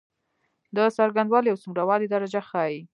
د څرنګوالی او څومره والي درجه ښيي.